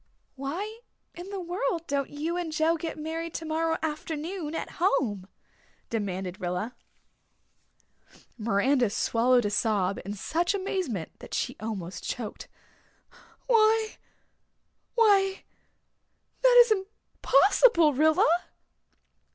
"Why in the world don't you and Joe get married tomorrow afternoon at home?" demanded Rilla. Miranda swallowed a sob in such amazement that she almost choked. "Why why that is impossible, Rilla."